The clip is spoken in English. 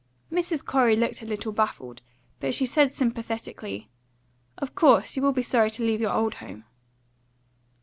Mrs. Corey looked a little baffled, but she said sympathetically, "Of course, you will be sorry to leave your old home."